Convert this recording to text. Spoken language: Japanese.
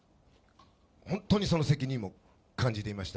本当にその責任も感じていました。